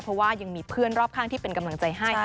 เพราะว่ายังมีเพื่อนรอบข้างที่เป็นกำลังใจให้